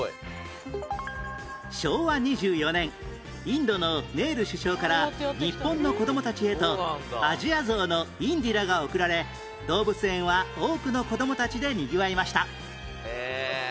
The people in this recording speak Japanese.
昭和２４年インドのネール首相から日本の子どもたちへとアジアゾウのインディラが贈られ動物園は多くの子どもたちでにぎわいました